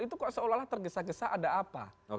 itu kok seolah olah tergesa gesa ada apa